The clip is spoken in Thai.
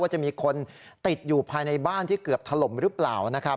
จะมีคนติดอยู่ภายในบ้านที่เกือบถล่มหรือเปล่านะครับ